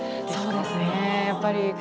そうですね。